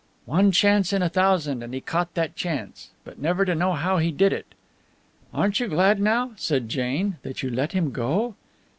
"One chance in a thousand, and he caught that chance! But never to know how he did it!" "Aren't you glad now," said Jane, "that you let him go?"